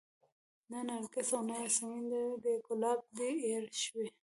نه نرګس او نه ياسمن دى دا ګلاب دى ايرې شوى